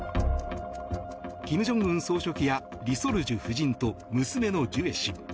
金正恩総書記やリ・ソルジュ夫人と娘のジュエ氏